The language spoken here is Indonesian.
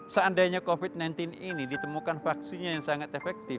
seandainya covid sembilan belas ini ditemukan vaksinnya yang sangat efektif